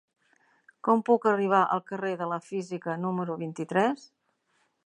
Com puc arribar al carrer de la Física número vint-i-tres?